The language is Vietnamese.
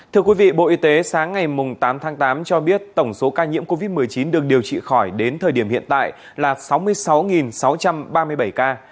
thưa quý vị bộ y tế sáng ngày tám tháng tám cho biết tổng số ca nhiễm covid một mươi chín được điều trị khỏi đến thời điểm hiện tại là sáu mươi sáu sáu trăm ba mươi bảy ca